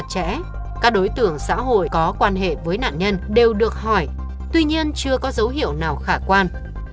các đối tượng xã hội có quan hệ với nạn nhân đều được hỏi tuy nhiên chưa có dấu hiệu nào khả quan